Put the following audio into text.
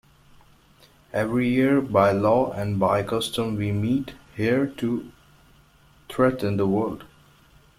Every year, by law and by custom, we meet here to threaten the world.